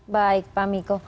baik pak miko